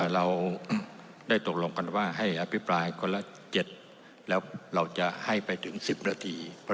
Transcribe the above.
เราได้ตกลงกันว่าให้อภิปรายคนละ๗แล้วเราจะให้ไปถึง๑๐นาที